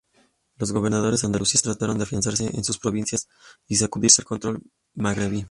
Los gobernadores andalusíes trataron de afianzarse en sus provincias y sacudirse el control magrebí.